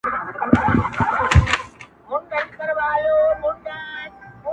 • ساتلی مي د زړه حرم کي ستا ښکلی تصویر دی,